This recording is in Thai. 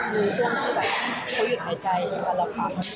ในช่วงที่เขาหยุดหายใจกันกันละครับ